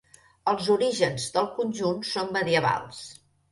Els orígens del conjunt són medievals.